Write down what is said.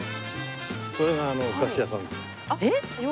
これがあのお菓子屋さんです。